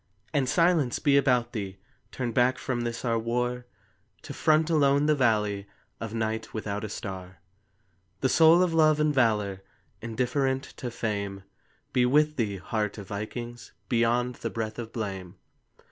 And silence be about thee, Turned back from this our war To front alone the valley Of night without a star. The soul of love and valor, Indifferent to fame, Be with thee, heart of vikings, Beyond the breath of blame.